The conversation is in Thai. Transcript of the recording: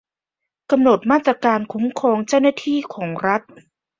กำหนดมาตรการคุ้มครองเจ้าหน้าที่ของรัฐ